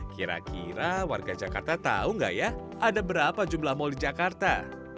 kira kira warga jakarta tahu nggak ya ada berapa jumlah mal di jakarta